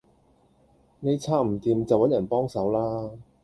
你拆唔掂就搵人幫手啦